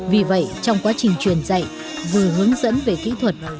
vì vậy trong quá trình truyền dạy vừa hướng dẫn về kỹ thuật